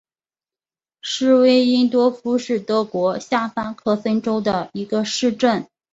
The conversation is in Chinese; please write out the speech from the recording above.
施韦因多夫是德国下萨克森州的一个市镇。